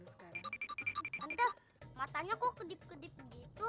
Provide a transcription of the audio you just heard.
tante matanya kok kedip kedip gitu